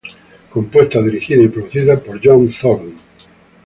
Compuestas, dirigidas y producidas por John Zorn.